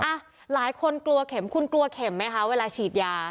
หลายคนกลัวเข็มคุณกลัวเข็มไหมคะเวลาฉีดยา